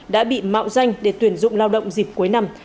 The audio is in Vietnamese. đã bị mạo danh để tuyển dụng lao động dịp cuối năm